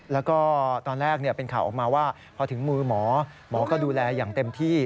แล้วก็ตอนแรกเป็นข่าวออกมาว่าพอถึงมือหมอหมอก็ดูแลอย่างเต็มที่